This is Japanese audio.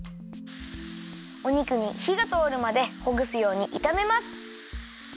お肉にひがとおるまでほぐすようにいためます。